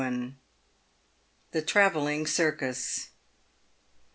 THE TEAVELLING CIRCUS.